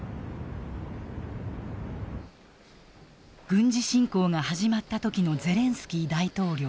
軍事侵攻が始まった時のゼレンスキー大統領。